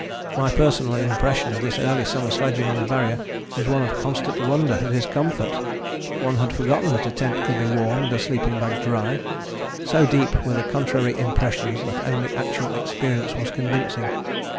My personal impression of this early summer sledging on the Barrier was one of constant wonder at its comfort. One had forgotten that a tent could be warm and a sleeping bag dry: so deep were the contrary impressions that only actual experience was convincing.